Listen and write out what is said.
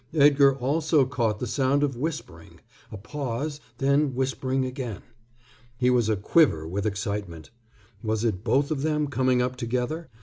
Edgar also caught the sound of whispering, a pause, then whispering again. He was a quiver with excitement. Was it both of them coming up together?